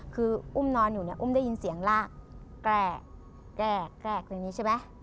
คืออุ้มนอนอยู่เนี่ยอุ้มได้ยินเสียงลากแกร่แกรกอย่างนี้ใช่ไหม